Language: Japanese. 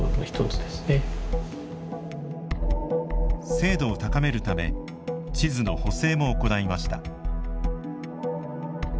精度を高めるため地図の補正も行いました。